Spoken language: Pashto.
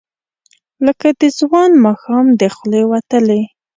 لکه د ځوان ماښام، د خولې وتلې،